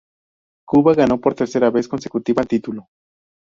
Cuba ganó por tercera vez consecutiva el título.